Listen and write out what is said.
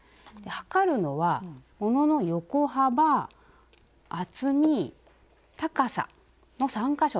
測るのは物の横幅厚み高さの３か所です。